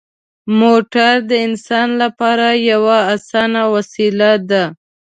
موټر د انسان لپاره یوه اسانه وسیله ده.